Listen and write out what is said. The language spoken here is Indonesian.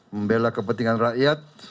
membela kepentingan rakyat